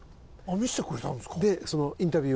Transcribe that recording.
見せてくれたんですか？